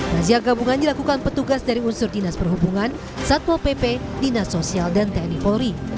razia gabungan dilakukan petugas dari unsur dinas perhubungan satpol pp dinas sosial dan tni polri